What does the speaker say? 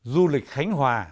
du lịch khánh hòa